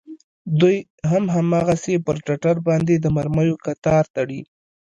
دوى هم هماغسې پر ټټر باندې د مرميو کتار تړي.